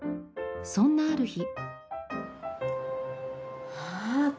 そんなある日。